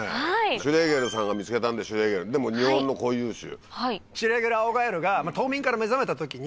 シュレーゲルさんが見つけたんでシュレーゲルでも日本の固有種。